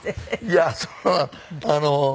いやそれはあの。